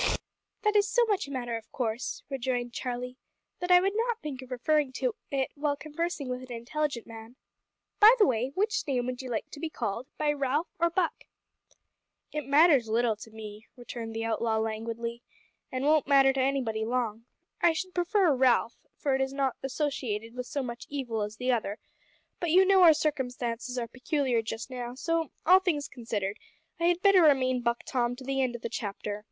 "That is so much a matter of course," rejoined Charlie, "that I would not think of referring to it while conversing with an intelligent man. By the way which name would you like to be called, by Ralph or Buck?" "It matters little to me," returned the outlaw languidly, "and it won't matter to anybody long. I should prefer `Ralph,' for it is not associated with so much evil as the other, but you know our circumstances are peculiar just now, so, all things considered, I had better remain Buck Tom to the end of the chapter.